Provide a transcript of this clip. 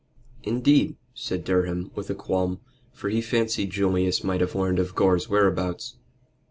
"Indeed?" said Durham, with a qualm, for he fancied Julius might have learned of Gore's whereabouts.